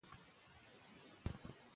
ولس د بې معلوماتۍ له امله زیات زیان ګالي.